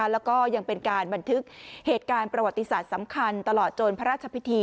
แล้วก็ยังเป็นการบันทึกเหตุการณ์ประวัติศาสตร์สำคัญตลอดจนพระราชพิธี